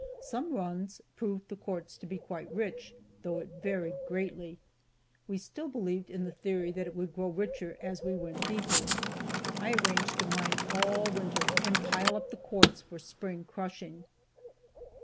Some runs proved the quartz to be quite rich, though it varied greatly. We still believed in the theory that it would grow richer as we went deeper. I arranged to mine all winter and pile up the quartz for spring crushing.